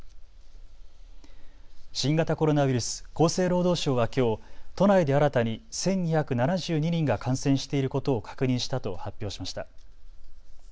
新型コロナウイルス、厚生労働省はきょう都内で新たに１２７２人が感染していることを確認したと発表しました。